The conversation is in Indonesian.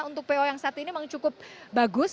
untuk po yang satu ini memang cukup bagus